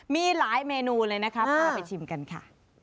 มีหลายเมนูเลยนะคะพาไปชิมกันค่ะ